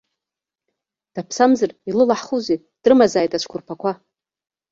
Даԥсамзар илылаҳхузеи, дрымазааит ацәқәырԥақәа?